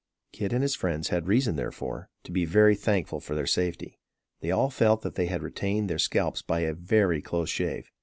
Kit and his friends had reason, therefore, to be very thankful for their safety. They all felt that they had retained their scalps by a very close shave.